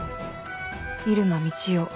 入間みちお